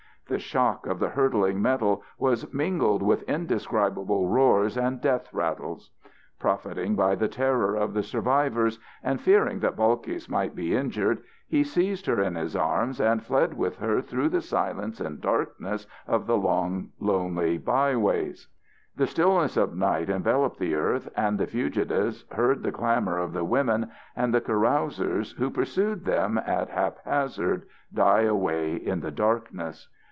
The shock of the hurtling metal was mingled with indescribable roars and death rattles. Profiting by the terror of the survivors, and fearing that Balkis might be injured, he seized her in his arms and fled with her through the silence and darkness of the lonely byways. The stillness of night enveloped the earth, and the fugitives heard the clamour of the women and the carousers, who pursued them at haphazard, die away in the darkness.